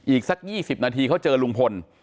อีกสัก๒๐นาทีเขาเจอลุงพล